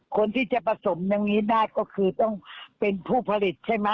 คนที่จะผสมยังงี้น่ะก็คือเป็นผู้ผลิตใช่มั้ย